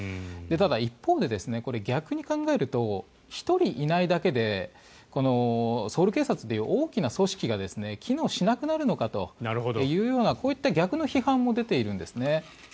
ただ、一方で逆に考えると１人いないだけでソウル警察という大きな組織が機能しなくなるのかというこういった逆の批判も出ているんですね。